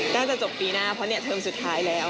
น่าจะจบปีหน้าเพราะเนี่ยเทอมสุดท้ายแล้ว